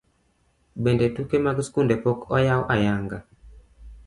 Bende tuke mag skunde pok oyaw ayanga.